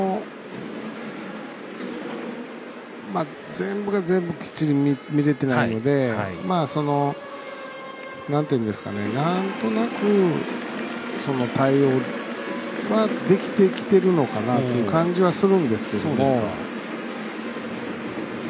全部が全部きっちり見れてないのでなんとなく対応できてきてるのかなという感じはするんですけども。